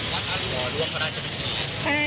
มาส่งเจอเด็ดขั้นสุดท้าย